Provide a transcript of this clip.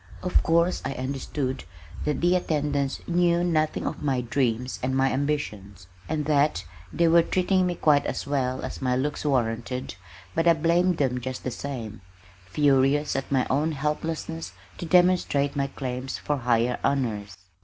Of course I understood that the attendants knew nothing of my dreams and my ambitions, and that they were treating me quite as well as my looks warranted, but I blamed them just the same, furious at my own helplessness to demonstrate my claims for higher honors.